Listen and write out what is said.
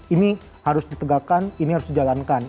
ini harus ditegakkan ini harus dijalankan